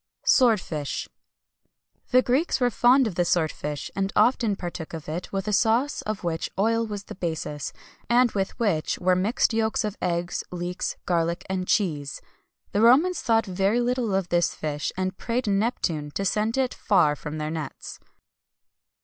SWORDFISH. The Greeks were fond of the swordfish, and often partook of it,[XXI 178] with a sauce of which oil was the basis, and with which were mixed yolks of eggs, leeks, garlic, and cheese.[XXI 179] The Romans thought very little of this fish, and prayed Neptune to send it far from their nets.